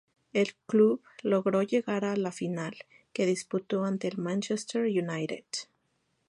El club logró llegar a la final, que disputó ante el Manchester United.